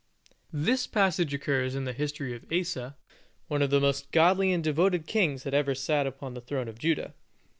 This passage occurs in the history of Asa, one of the most godly and devoted kings that ever sat upon the throne of Judah.